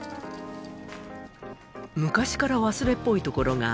昔から忘れっぽいところがあり